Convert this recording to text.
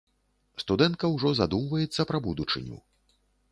Студэнтка ўжо задумваецца пра будучыню.